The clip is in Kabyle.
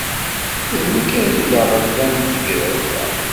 D nekk ay d aɣella n tegrawt-a.